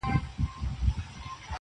o گراني چي ستا سره خبـري كوم.